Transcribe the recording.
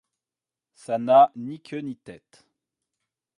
Ça n’a ni queue ni tête.